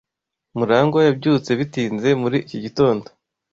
Murangwa yabyutse bitinze muri iki gitondo.